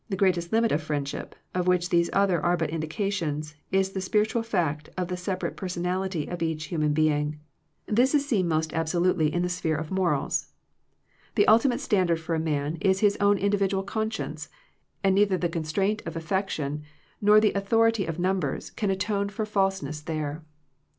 The greatest limit of friendship, of which these other are but indications, is the spiritual fact of the separate person^ ality of each human being. This is seen J95 Digitized by VjOOQIC THE LIMITS OF FRIENDSHIP most absolutely in the sphere of morals. The ultimate standard for a man is his own individual conscience, and neithei the constraint of affection, nor the au thority of numbers, can atone for false ness there.